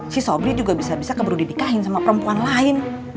si sobri juga bisa bisa keburu dinikahin sama perempuan lain